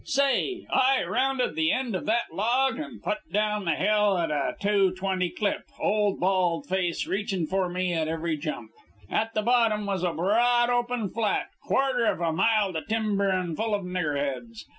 "Say! I rounded the end of that log and put down the hill at a two twenty clip, old bald face reachin' for me at every jump. At the bottom was a broad, open flat, quarter of a mile to timber and full of niggerheads.